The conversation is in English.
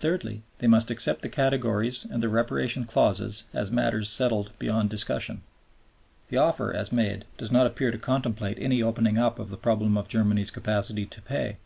Thirdly, they must accept the categories and the Reparation clauses as matters settled beyond discussion." The offer, as made, does not appear to contemplate any opening up of the problem of Germany's capacity to pay.